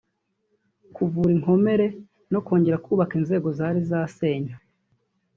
kuvura inkomere no kongera kubaka inzego zari zasenywe